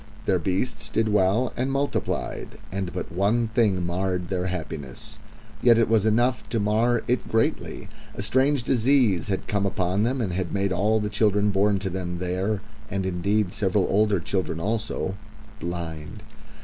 Their beasts did well and multiplied, and but one thing marred their happiness. Yet it was enough to mar it greatly. A strange disease had come upon them, and had made all the children born to them there and indeed, several older children also blind.